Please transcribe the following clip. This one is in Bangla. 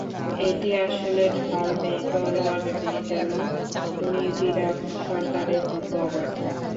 এটি আসলে ঢাল নেই, তলোয়ার নেই, যেন নিধিরাম সর্দারের মতো অবস্থা।